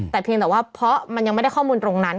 แต่เพียงแต่ว่าเพราะมันยังไม่ได้ข้อมูลตรงนั้น